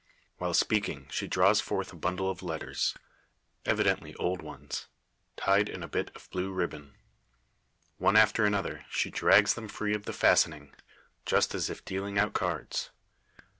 While speaking, she draws forth a bundle of letters evidently old ones tied in a bit of blue ribbon. One after another, she drags them free of the fastening just as if dealing out cards.